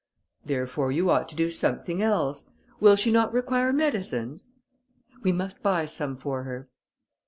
"Therefore you ought to do something else. Will she not require medicines?" "We must buy some for her."